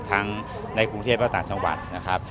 ในกรุงเทพและต่างจังหวัดนะครับ